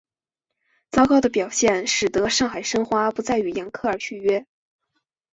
糟糕的表现使得上海申花不再与扬克尔续约。